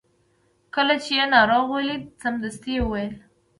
کله چې یې ناروغ ولید سمدستي یې وویل.